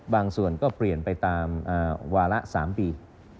บางส่วนก็เปลี่ยนไปตามวาระ๓ปี